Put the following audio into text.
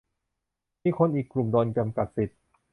มีคนอีกกลุ่มโดนจำกัดสิทธิ์